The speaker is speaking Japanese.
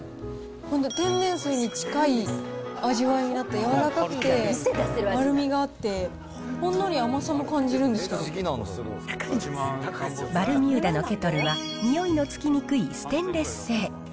ほんで天然水に近い味わいになって、柔らかくて丸みがあって、バルミューダのケトルは、においのつきにくいステンレス製。